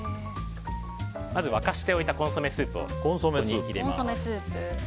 まず沸かしておいたコンソメスープを入れます。